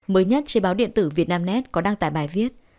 mới nhất trên báo điện tử việt nam nét có đăng tải bài viết